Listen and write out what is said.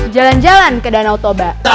jalan jalan ke danau toba